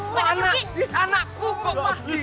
kok anak anakku kok pergi